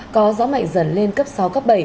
có gió mạnh dần lên cấp sáu cấp bảy